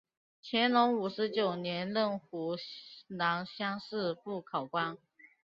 乾隆五十九年任湖南乡试副考官。